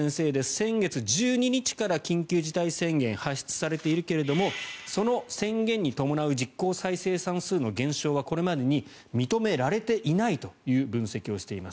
先月１２日から緊急事態宣言発出されているけどもその宣言に伴う実効再生産数の減少はこれまでに認められていないという分析をしています。